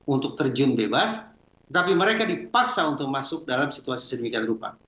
untuk terjun bebas tapi mereka dipaksa untuk masuk dalam situasi sedemikian rupa